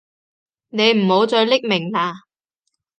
你唔好再匿名喇